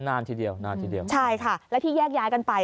นานทีเดียวนานทีเดียวใช่ค่ะแล้วที่แยกย้ายกันไป